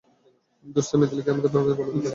দোস্ত, মিথিলি কি আমাদের ব্যাপারে বলে দিবে?